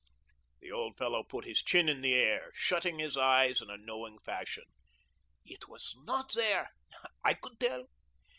The old fellow put his chin in the air, shutting his eyes in a knowing fashion. "It was not there. I could tell.